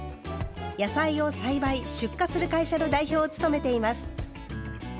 野菜を栽培、出荷する会社の代表を務めています。